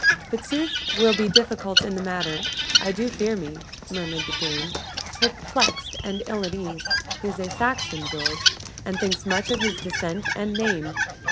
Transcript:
"Fitzooth will be difficult in the matter, I do fear me," murmured the dame, perplexed and ill at ease. "He is a Saxon, George, and thinks much of his descent and name.